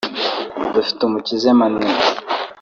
Dufitumukiza Emmanuel